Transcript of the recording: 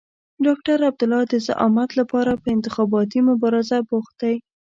ډاکټر عبدالله د زعامت لپاره په انتخاباتي مبارزه بوخت دی.